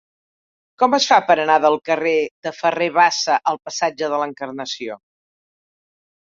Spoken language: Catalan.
Com es fa per anar del carrer de Ferrer Bassa al passatge de l'Encarnació?